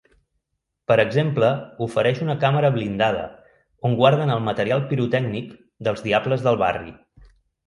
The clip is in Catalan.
Per exemple ofereix una càmera blindada on guarden el material pirotècnic dels Diables del barri.